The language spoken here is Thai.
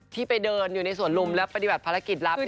ที่ไปเดินอยู่ในสวนลุมและปฏิบัติภารกิจลับเนี่ย